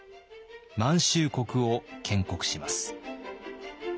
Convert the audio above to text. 満州国を建国します。